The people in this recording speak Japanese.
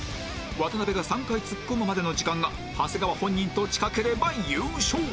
渡辺が３回ツッコむまでの時間が長谷川本人と近ければ優勝